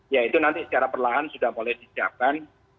ya itu nanti secara perlahan sudah boleh disiapkan